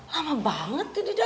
lama banget jadi dia